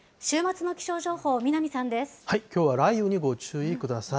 きょうは雷雨にご注意ください。